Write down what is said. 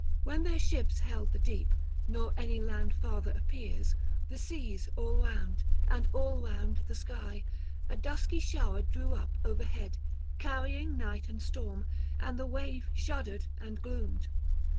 When their ships held the deep, nor any land farther appears, the seas all round, and all round the sky, a dusky shower drew up overhead, carrying night and storm, and the wave shuddered and gloomed.